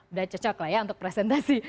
udah cocok lah ya untuk presentasi